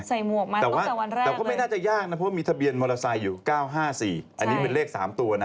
หมวกมาแต่ว่าแต่ก็ไม่น่าจะยากนะเพราะมีทะเบียนมอเตอร์ไซค์อยู่๙๕๔อันนี้เป็นเลข๓ตัวนะ